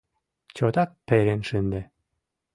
Чотак перен шынде.